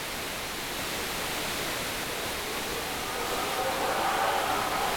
Por eso existen normas para el correcto uso ortográfico de ambas letras.